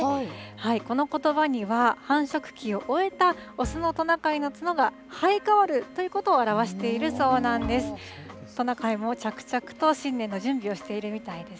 このことばには、繁殖期を終えた雄のトナカイの角が生え変わるということを表しているそうなんです。